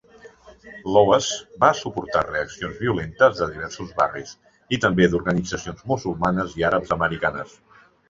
Lowe's va suportar reaccions violentes de diversos barris i també d'organitzacions musulmanes i àrabs americanes.